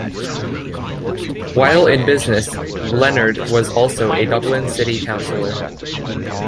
While in business, Leonard was also a Dublin City Councillor.